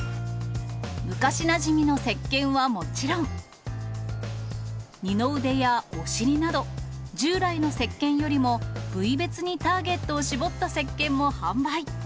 昔なじみのせっけんはもちろん、二の腕やお尻など、従来のせっけんよりも、部位別にターゲットを絞ったせっけんも販売。